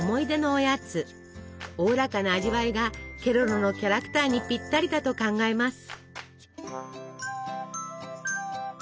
おおらかな味わいがケロロのキャラクターにぴったりだと考えます。